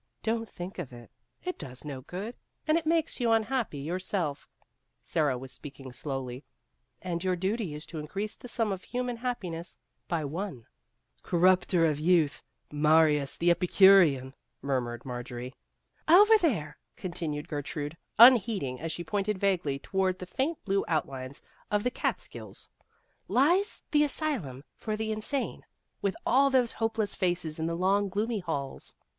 " "Don't think of it. It does no good, and it makes you unhappy yourself " Sara was speaking slowly " and your duty is to increase the sum of human happiness by one." " A corrupter of youth Marius the Epicurean," murmured Marjorie. " Over there," continued Gertrude, un heeding, as she pointed vaguely toward the faint blue outlines of the Kaatskills, "lies the Asylum for the Insane, with all those hopeless faces in the long gloomy halls."